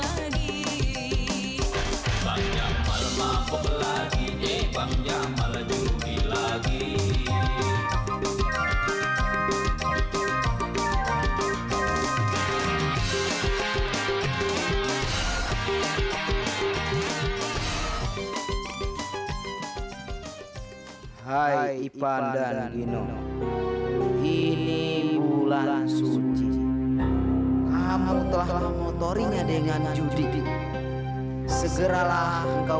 hai hai hai ipan dan gino ini bulan suci kamu telah mengotori dengan judi segeralah kau